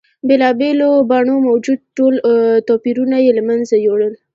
بېلا بېلو بڼو موجود ټول توپیرونه یې له منځه یوړل.